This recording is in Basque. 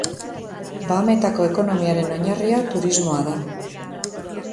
Bahametako ekonomiaren oinarria turismoa da.